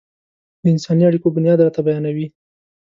د انساني اړيکو بنياد راته بيانوي.